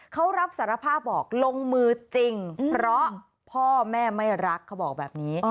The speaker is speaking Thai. เขารับสารภาพบอกลงมือจริงเพราะพ่อแม่ไม่รักเขาบอกแบบนี้